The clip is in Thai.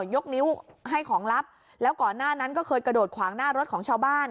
ยกนิ้วให้ของลับแล้วก่อนหน้านั้นก็เคยกระโดดขวางหน้ารถของชาวบ้าน